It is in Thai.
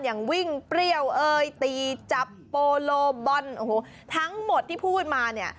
อย่างวิ่งเปรี้ยวเอยตีจับโปโลบอลโอ้โหทั้งหมดที่พูดมาเนี่ย